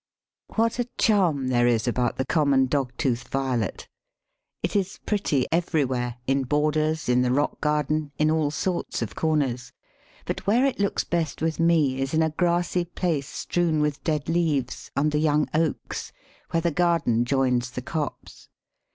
What a charm there is about the common Dogtooth Violet; it is pretty everywhere, in borders, in the rock garden, in all sorts of corners. But where it looks best with me is in a grassy place strewn with dead leaves, under young oaks, where the garden joins the copse.